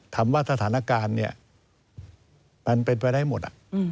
ถามว่าสถานการณ์เนี่ยมันเป็นไปได้หมด